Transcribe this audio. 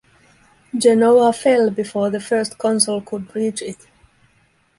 Genoa fell before the First Consul could reach it.